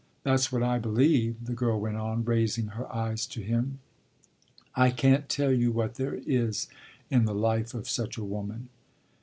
That's what I believe," the girl went on, raising her eyes to him. "I can't tell you what there is in the life of such a woman."